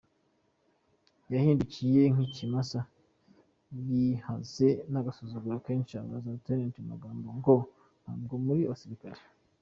Yahindukiye nk’ikimasa gihaze n’agasuzuguro kenshi abaza Lt Magambo ngo ntabwo muri abasirikare?